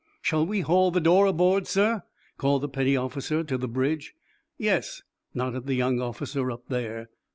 "Shall we haul the door aboard, sir?" called the petty officer to the bridge. "Yes," nodded the young officer up there.